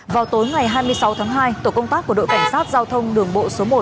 vào tối ngày hai mươi sáu tháng hai tổ công tác của đội cảnh sát giao thông đường bộ số một